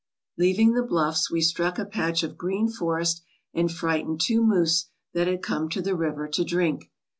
Leaving the bluffs, we struck a patch of green forest and frightened two moose that had come to the river to drink.